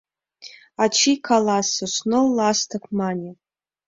Ачий каласыш: «ныл ластык», мане.